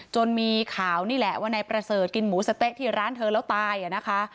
จนมีข่าวนี่แหละว่านายประเสริฐกินหมูสะเต๊ะที่ร้านเธอแล้วตายนะคะ